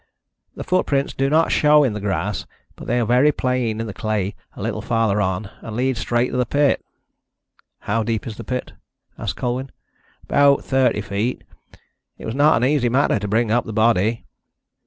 The footprints do not show in the grass, but they are very plain in the clay a little farther on, and lead straight to the pit." "How deep is the pit?" asked Colwyn. "About thirty feet. It was not an easy matter to bring up the body."